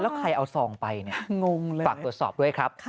แล้วใครเอาซองไปฝากตรวจสอบด้วยครับ